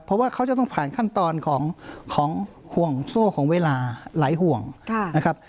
เพราะว่าเขาจะต้องผ่านขั้นตอนของห่วงโซ่ของเวลาหลายห่วงนะครับ